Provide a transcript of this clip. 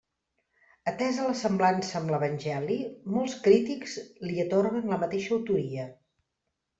Atesa la semblança amb l'Evangeli, molts crítics li atorguen la mateixa autoria.